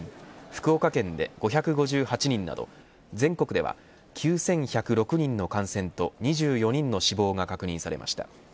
福岡県で５５８人など全国では９１０６人の感染と２４人の死亡が確認されました。